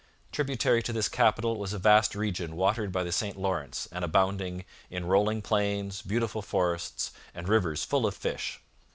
Tributary to this capital was a vast region watered by the St Lawrence and abounding 'in rolling plains, beautiful forests, and rivers full of fish.'